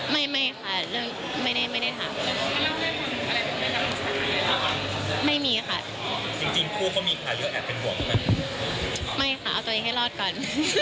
ไม่ค่ะเอาตัวเองให้รอดก่อน